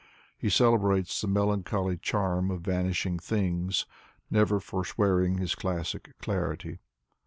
He celebrates the melancholy charm of vanishing things, never foreswearing his classic clarity.